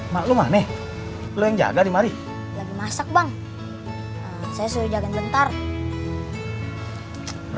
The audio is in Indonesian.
maklu mane lu yang jaga dimari masak bang saya suruh jagain bentar